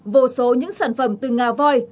vô số những sản phẩm từ ngà voi